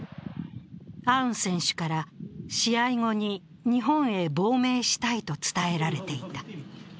アウン選手から試合後に日本へ亡命したいと伝えられていた。